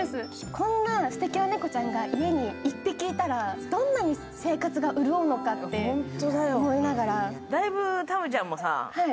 こんなすてきな猫ちゃんが家に一匹いたらどんなに生活が潤うのかって思いながら。